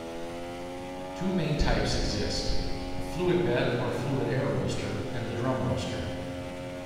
Two main types exist: the fluid-bed or fluid-air roaster, and the drum roaster.